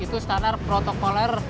itu standar protokoler